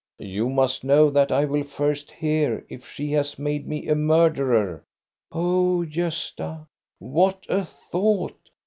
" You must know that I will first hear if she has made me a murderer." " Oh, Gosta, what a thought